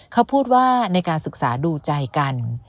เขาพูดว่าในการศึกษาดูใจกัน